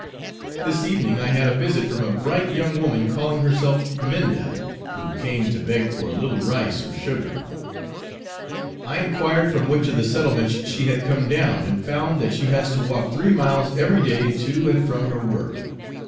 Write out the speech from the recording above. This evening I had a visit from a bright young woman, calling herself Minda, who came to beg for a little rice or sugar. I enquired from which of the settlements she had come down, and found that she has to walk three miles every day to and from her work.